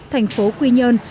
thành phố quy nhơn